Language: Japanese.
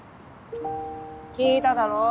聞いただろ？